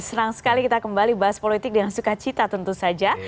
serang sekali kita kembali bahas politik dengan suka cita tentu saja